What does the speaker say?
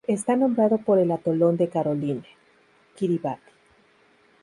Está nombrado por el atolón de Caroline, Kiribati.